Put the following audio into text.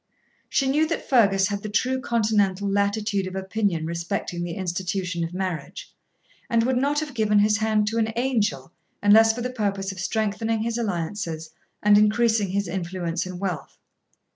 She knew that Fergus had the true continental latitude of opinion respecting the institution of marriage, and would not have given his hand to an angel unless for the purpose of strengthening his alliances and increasing his influence and wealth.